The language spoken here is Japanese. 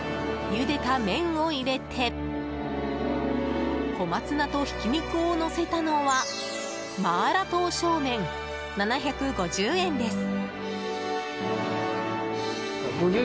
ゆでた麺を入れて小松菜とひき肉をのせたのはマーラ刀削麺、７５０円です。